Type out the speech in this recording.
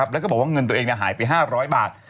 แล้วก็บอกว่าเงินตัวเองหายไป๕๐๐บาท